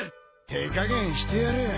手加減してやる。